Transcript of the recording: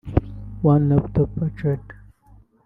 One Laptop Per Child